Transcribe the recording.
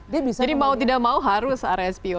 jadi mau tidak mau harus rspo